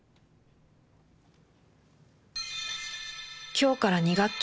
「今日から２学期！」